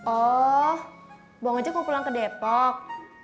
oh mbak mojak mau pulang ke depok